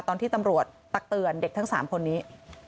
ตอนที่ตำรวจตักเตือนเด็กทั้ง๓คนนี้